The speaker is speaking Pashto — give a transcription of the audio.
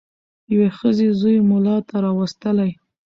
یوې ښځي زوی مُلا ته راوستلی